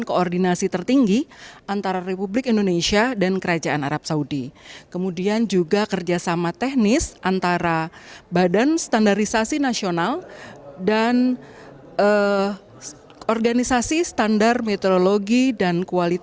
kedua pemimpin negara menyaksikan penandatanganan